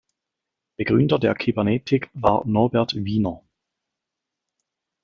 Begründer der Kybernetik war Norbert Wiener.